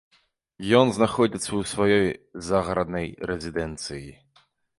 Ён знаходзіцца ў сваёй загараднай рэзідэнцыі.